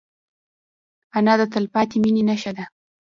انا د تلپاتې مینې نښه ده